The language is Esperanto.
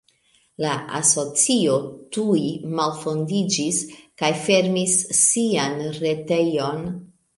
La asocio tuj malfondiĝis kaj fermis sian retejon.